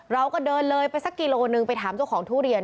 เราก็เดินเลยไปสักกิโลนึงไปถามเจ้าของทุเรียน